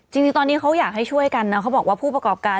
จริงตอนนี้เขาอยากให้ช่วยกันนะเขาบอกว่าผู้ประกอบการ